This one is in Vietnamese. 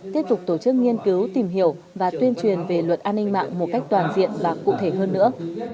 tiếp tục tổ chức nghiên cứu tìm hiểu và tuyên truyền về luật an ninh mạng một cách toàn diện và cụ thể hơn nữa